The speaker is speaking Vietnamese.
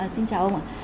xin chào ông ạ